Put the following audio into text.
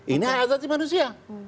ini alat alat manusia